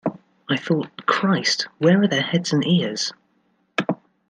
I thought, Christ, where are their heads and ears?